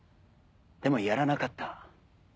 でもやらなかった。